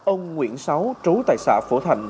ông nguyễn sáu trú tài xã phổ thành